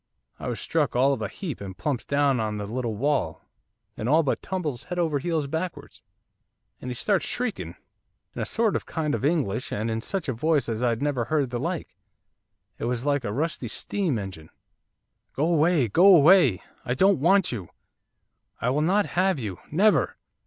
I was struck all of a heap, and plumps down on the little wall, and all but tumbles head over heels backwards. And he starts shrieking, in a sort of a kind of English, and in such a voice as I'd never heard the like, it was like a rusty steam engine. '"Go away! go away! I don't want you! I will not have you, never!